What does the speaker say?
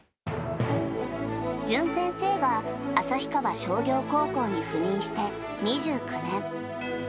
淳先生が旭川商業高校に赴任して２９年。